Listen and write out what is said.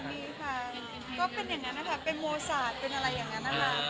มีค่ะก็เป็นอย่างนั้นนะคะเป็นโมศาสตร์เป็นอะไรอย่างนั้นนะคะ